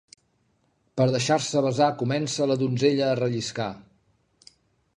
Per deixar-se besar comença la donzella a relliscar.